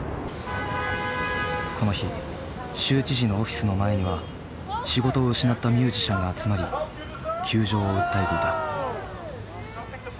この日州知事のオフィスの前には仕事を失ったミュージシャンが集まり窮状を訴えていた。